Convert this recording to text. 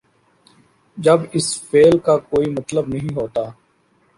جب اس فعل کا کوئی مطلب نہیں ہوتا۔